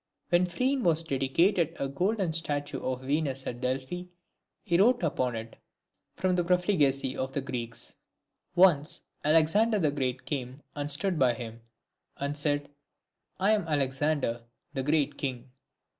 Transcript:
When Phryne had dedi cated a golden statue of Venus at Delphi, he wrote upon it, " From the profligacy of the Greeks." Once Alexander the Great came and stood by him, and said, " I am Alexander, the great king."